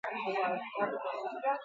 Baina ongi funtzionatuko al du?